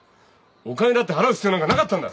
お金だって払う必要なんかなかったんだ。